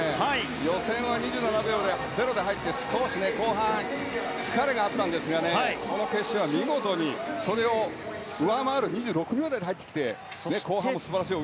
予選は２７秒台の０で入って少し後半、疲れがあったんですがこの決勝は見事にそれを上回る２６秒台で入ってきて後半も素晴らしい泳ぎ。